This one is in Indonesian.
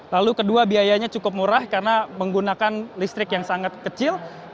lalu kedua biayanya cukup murah karena menggunakan listrik yang sangat kecil lalu yang ketiga adalah pajak kendaraan listriknya selien